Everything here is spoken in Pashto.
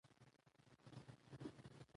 روايت ذکر کړی چې د مديني په انصارو باندي